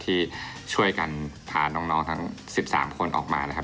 ที่ช่วยกันพาน้องทั้ง๑๓คนออกมานะครับ